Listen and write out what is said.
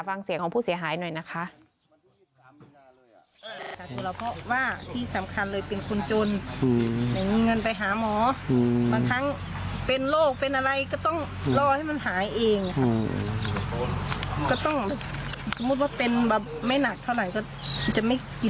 ฟังเสียงของผู้เสียหายหน่อยนะคะ